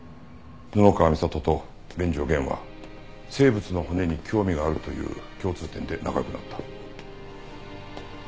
布川美里と連城源は生物の骨に興味があるという共通点で仲良くなった。